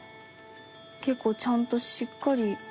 結構ちゃんとしっかり。